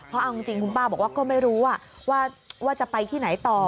เพราะเอาจริงคุณป้าบอกว่าก็ไม่รู้ว่าจะไปที่ไหนต่อ